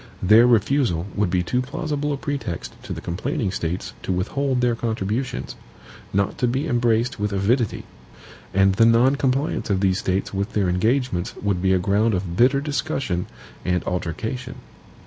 Their refusal would be too plausible a pretext to the complaining States to withhold their contributions, not to be embraced with avidity; and the non compliance of these States with their engagements would be a ground of bitter discussion and altercation.